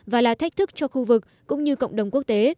và là thách thức cho khu vực cũng như cộng đồng quốc tế